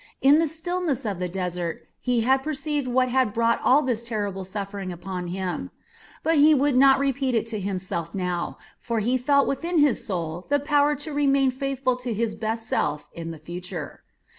In the stillness of the desert he had perceived what had brought all this terrible suffering upon him; but he would not repeat it to himself now, for he felt within his soul the power to remain faithful to his best self in the future.